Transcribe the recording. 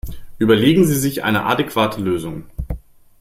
Überlegen Sie sich eine adäquate Lösung!